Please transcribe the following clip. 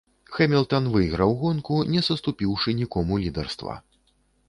Хэмілтан выйграў гонку, не саступіўшы нікому лідарства.